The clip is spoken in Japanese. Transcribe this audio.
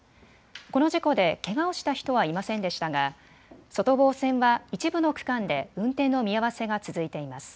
この事故でけがをした人はいませんでしたが外房線は一部の区間で運転の見合わせが続いています。